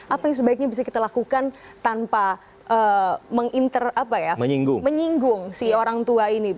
apa yang sebaiknya bisa kita lakukan tanpa menyinggung si orang tua ini